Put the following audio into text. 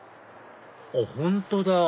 あっ本当だ